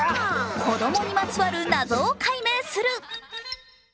子供にまつわる謎を解明する。